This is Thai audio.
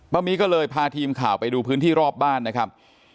มีก็เลยพาทีมข่าวไปดูพื้นที่รอบบ้านนะครับ